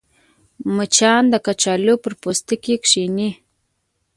مچان د کچالو پر پوستکي کښېني